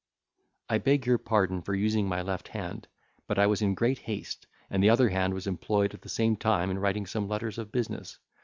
I beg your pardon for using my left hand, but I was in great haste, and the other hand was employed at the same time in writing some letters of business.